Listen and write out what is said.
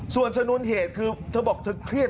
ส่วนชนวนเหตุคือเธอบอกเธอเครียด